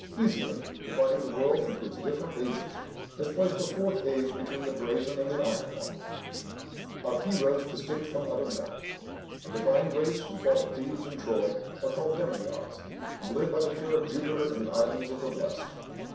Hesiod, dividing the world into its different ages, has placed a fourth age, between the brazen and the iron one, of "heroes distinct from other men; a divine race who fought at Thebes and Troy, are called demi gods, and live by the care of Jupiter in the islands of the blessed."